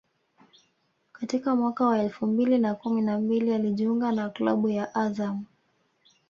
Katika mwaka wa elfu mbili na kumi na mbili alijiunga na klabu ya Azam